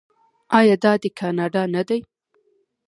آیا دا دی کاناډا نه دی؟